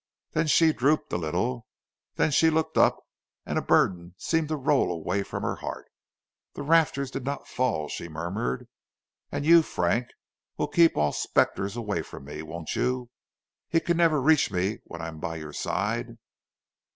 Then she drooped a little, then she looked up, and a burden seemed to roll away from her heart. "The rafters did not fall," she murmured, "and you, Frank, will keep all spectres away from me, won't you? He can never reach me when I am by your side."